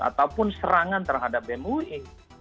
ataupun serangan terhadap bemui